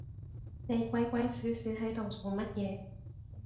你鬼鬼鼠鼠係度做乜嘢